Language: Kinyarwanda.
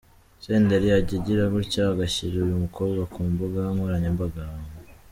Senderi ajya agira gutya agashyira uyu mukobwa ku mbuga nkoranyambaga.